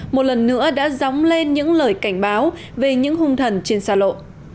một lần nữa đã dóng lên những lời cảnh báo về những hung thần trên xa lộ